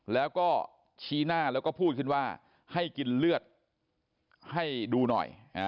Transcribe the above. แล้วก็ชี้หน้าแล้วก็พูดขึ้นว่าให้กินเลือดให้ดูหน่อย